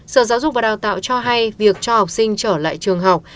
sở giáo dục và đào tạo cho hay việc cho học sinh trở lại trường học